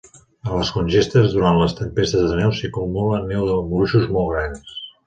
En les congestes, durant les tempestes de neu s'hi acumula neu amb gruixos molt grans.